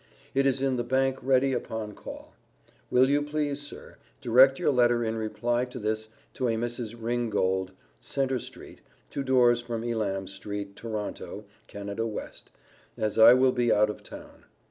It is in the bank ready upon call. Will you please, sir, direct your letter in reply to this, to a Mrs. Ringgold, Centre street, two doors from Elam street, Toronto, Canada West, as I will be out of town.